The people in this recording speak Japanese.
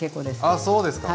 あそうですか。